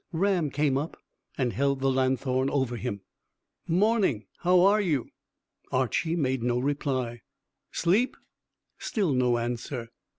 Ram came up and held the lanthorn over him. "Morning. How are you?" Archy made no reply. "'Sleep?" Still no answer.